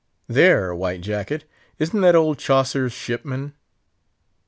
"There, White Jacket! isn't that old Chaucer's shipman?